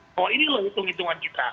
bahwa ini loh hitung hitungan kita